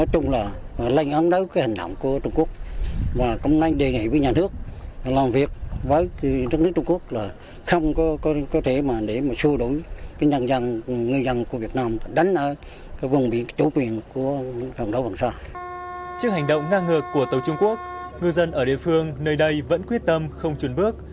trước hành động ngang ngược của tàu trung quốc ngư dân ở địa phương nơi đây vẫn quyết tâm không chuẩn bước